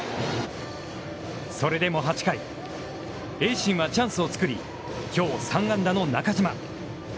それでも８回、盈進はチャンスを作り、きょう３安打の中島。